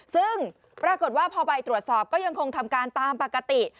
ซึ่งปรากฏว่าพอไปตรวจสอบก็ยังคงทำการตามปกติ